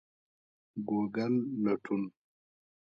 ګوګل لټون